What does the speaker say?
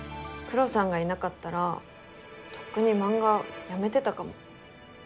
クロさんがいなかったらとっくに漫画やめてたかも。